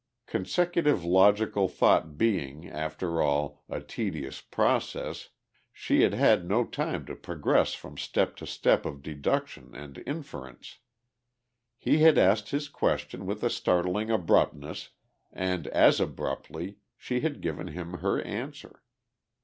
Consecutive logical thought being, after all, a tedious process, she had had no time to progress from step to step of deduction and inference; he had asked his question with a startling abruptness and as abruptly she had given him her answer.